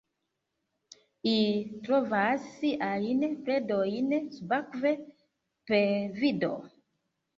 Ili trovas siajn predojn subakve per vido.